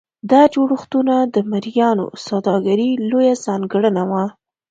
دا جوړښتونه د مریانو سوداګري لویه ځانګړنه وه.